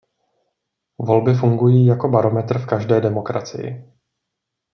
Volby fungují jako barometr v každé demokracii.